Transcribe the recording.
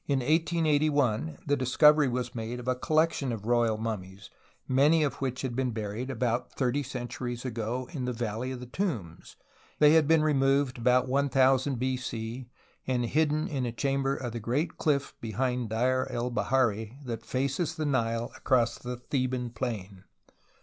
In 1881 the discovery was made of a collection of royal mummies, many of w^hich had been buried about thirty centuries ago in the Valley of the Tombs, and had been removed about 1000 B.C. and hidden in a chamber in the great cliff (behind Deir el Bahari) that faces the Nile across the Theban plain.